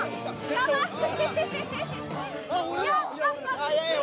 かわいい！